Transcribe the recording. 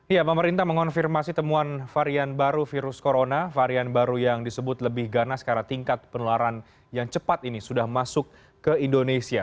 ya pemerintah mengonfirmasi temuan varian baru virus corona varian baru yang disebut lebih ganas karena tingkat penularan yang cepat ini sudah masuk ke indonesia